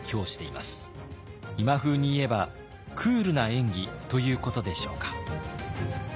今風に言えば「クールな演技」ということでしょうか。